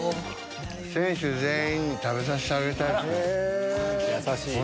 選手全員に食べさせてあげた優しい。